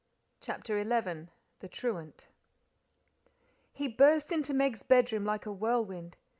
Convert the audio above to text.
CHAPTER XI The Truant He burst into Meg's bedroom like a whirlwind.